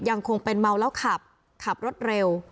ยังคงเป็นเมาแล้วขับขับรถเร็ว